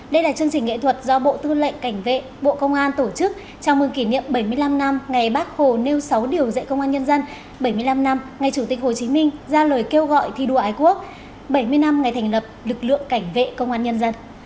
đây là chương trình nghệ thuật do bộ tư lệnh cảnh vệ bộ công an tổ chức chào mừng kỷ niệm bảy mươi năm năm ngày bác hồ nêu sáu điều dạy công an nhân dân bảy mươi năm năm ngày chủ tịch hồ chí minh ra lời kêu gọi thi đua ái quốc bảy mươi năm ngày thành lập lực lượng cảnh vệ công an nhân dân